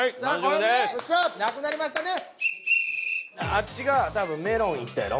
あっちが多分メロン行ったやろ。